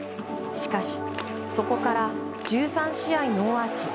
しかし、そこから１３試合ノーアーチ。